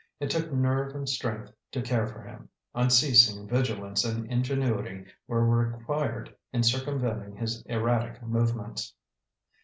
It took nerve and strength to care for him; unceasing vigilance and ingenuity were required in circumventing his erratic movements.